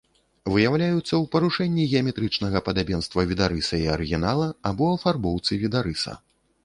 Выяўляюцца ў парушэнні геаметрычнага падабенства відарыса і арыгінала або афарбоўцы відарыса.